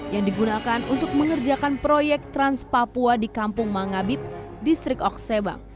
yang digunakan untuk mengerjakan proyek trans papua di kampung mangabib distrik oksebang